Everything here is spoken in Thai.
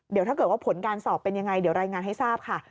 เดี๋ยวถ้าเกิดว่าผลการสอบเป็นยังไงเดี๋ยวรายงานให้ทราบค่ะ